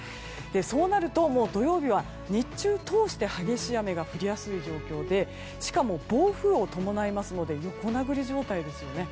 そうなると土曜日は日中通して激しい雨が降りやすい状況でしかも、暴風雨を伴いますので横殴り状態ですよね。